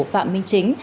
phạm minh chính